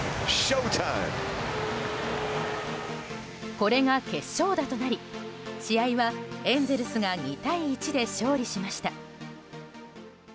これが決勝打となり試合はエンゼルスが２対１で勝利しました。